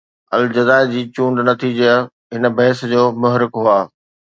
الجزائر جي چونڊ نتيجا هن بحث جو محرڪ هئا.